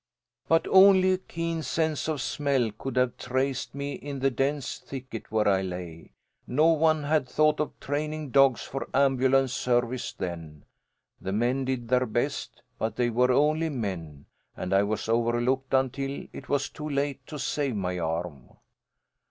"But only a keen sense of smell could have traced me in the dense thicket where I lay. No one had thought of training dogs for ambulance service then. The men did their best, but they were only men, and I was overlooked until it was too late to save my arm.